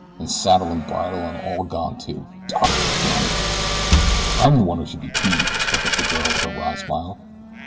An' saddle an' bridle an' all gone too. Doggone it!" "I'm the one who should be peeved," spoke up the girl with a wry smile.